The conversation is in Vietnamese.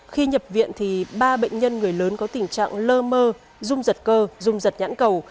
khi nhập viện thì ba bệnh nhân người lớn có tình trạng lơ mơ rung giật cơ dung giật nhãn cầu